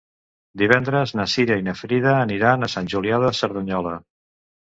Divendres na Cira i na Frida aniran a Sant Julià de Cerdanyola.